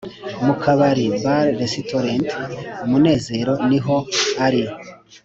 mu kabari (bar-restaurant)"umunezero" niho ari